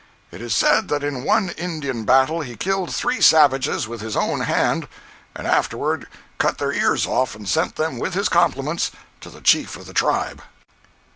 It is said that in one Indian battle he killed three savages with his own hand, and afterward cut their ears off and sent them, with his compliments, to the chief of the tribe.